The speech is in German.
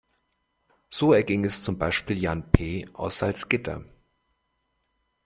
So erging es zum Beispiel Jan P. aus Salzgitter.